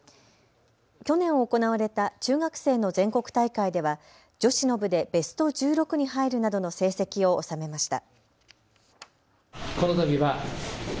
去年行われた中学生の全国大会では女子の部でベスト１６に入るなどの成績を収めました。